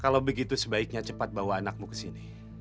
kalau begitu sebaiknya cepat bawa anakmu ke sini